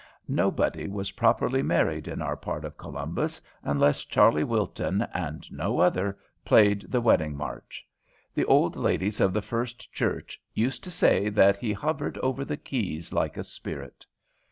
Nobody was properly married in our part of Columbus unless Charley Wilton, and no other, played the wedding march. The old ladies of the First Church used to say that he "hovered over the keys like a spirit."